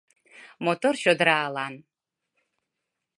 Мотор чодыра алан.